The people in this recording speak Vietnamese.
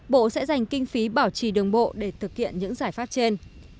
bộ sẽ dành kinh phí bảo trì đường bộ để thực hiện những giải pháp trên